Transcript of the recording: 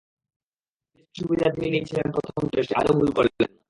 পিচে স্পিনের সুবিধা তিনি নিয়েছিলেন প্রথম টেস্টে, আজও ভুল করলেন না।